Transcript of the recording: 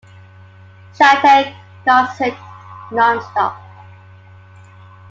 Chantelle gossiped non-stop.